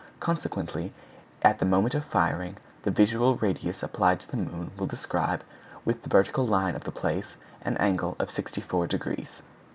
Consequently, at the moment of firing the visual radius applied to the moon will describe, with the vertical line of the place, an angle of sixty four degrees.